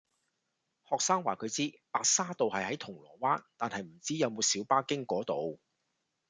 學生話佢知白沙道係喺銅鑼灣，但係唔知有冇小巴經嗰度